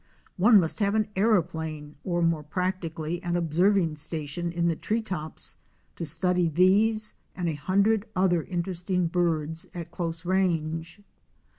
One must have an aéroplane or, more practically, an observing station in the tree tops to study these and a hundred other interesting birds at close range.